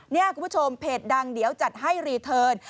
นี่คุณผู้ชมเพจดังเดี๋ยวจัดให้รีเทิร์น